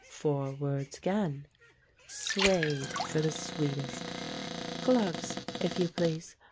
Four words again — "Suede for the Sweetest." Gloves, if you please